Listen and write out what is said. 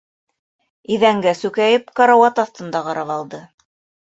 Иҙәнгә сүкәйеп карауат аҫтын да ҡарап алды.